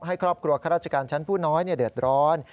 ให้ครอบครัวข้าราชการชั้นผู้น้อยเดือดร้อน